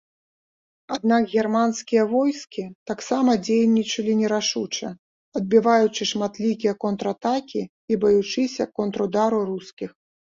Аднак германскія войскі таксама дзейнічалі нерашуча, адбіваючы шматлікія контратакі і баючыся контрудару рускіх.